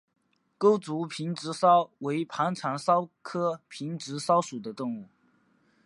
钩足平直蚤为盘肠蚤科平直蚤属的动物。